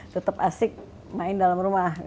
tetap asik main dalam rumah